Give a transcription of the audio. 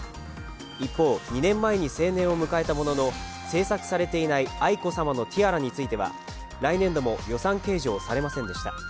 一方、２年前に成年を迎えたものの制作されていない愛子さまのティアラについては来年度も予算計上されませんでした。